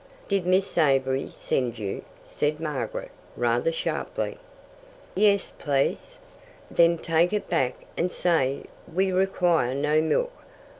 "Did Miss Avery send you?" said Margaret, rather sharply. "Yes, please." "Then take it back and say we require no milk."